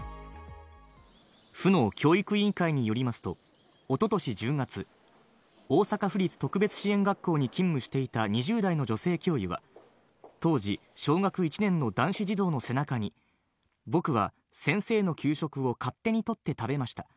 府の教育委員会によりますと、一昨年１０月、大阪府立特別支援学校に勤務していた２０代の女性教諭が、当時小学１年の男子児童の背中に「ぼくは先生の給食を勝手に取って食べました。